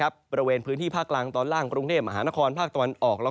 บริเวณพื้นที่ภาคกลางตอนล่างกรุงเทพมหานครภาคตะวันออก